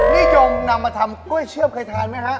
นิยมนำมาทำกล้วยเชื่อมเคยทานไหมฮะ